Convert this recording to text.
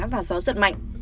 và gió giật mạnh